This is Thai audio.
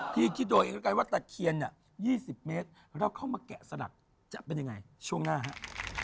พี่คิดโดยเองว่าตะเคียน๒๐เมตรเราเข้ามาแกะสลักจะเป็นยังไงช่วงหน้าครับ